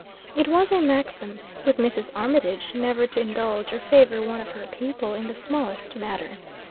It was a maxim, with Mrs. Armitage, never to indulge or favor one of her people in the smallest matter.